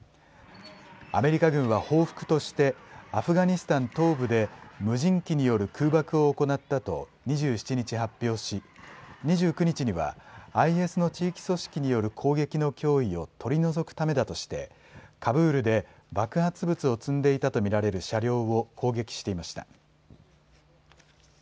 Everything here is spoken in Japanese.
アメリカ軍は報復としてアフガニスタン東部で無人機による空爆を行ったと２７日発表し、２９日にはＩＳの地域組織による攻撃の脅威を取り除くためだとしてカブールで爆発物を積んでいたと見られる車両を攻撃していました。